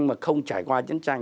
mà không trải qua chiến tranh